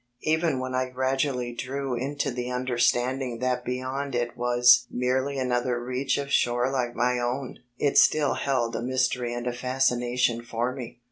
Even when I gradually drew into the understanding that beyond it was merely another reach of shore like my own it still held a mystery and a fascination for me.